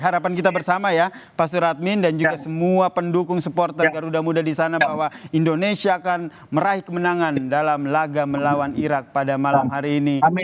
harapan kita bersama ya pak suradmin dan juga semua pendukung supporter garuda muda di sana bahwa indonesia akan meraih kemenangan dalam laga melawan irak pada malam hari ini